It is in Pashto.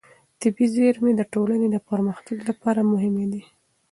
طبیعي زېرمې د ټولنې د پرمختګ لپاره مهمې دي.